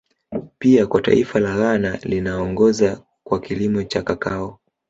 Pia kwa taifa la Ghana linaongoza kwa kilimo cha Kakao